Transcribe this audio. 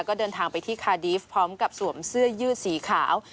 ก็เดินทางไปที่คาดีฟพร้อมกับสวมเสื้อยืดสีขาว